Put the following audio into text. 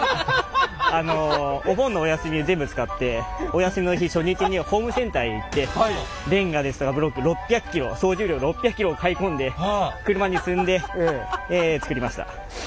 お休みの日初日にホームセンターへ行ってレンガですとかブロック６００ｋｇ総重量６００ｋｇを買い込んで車に積んで作りました！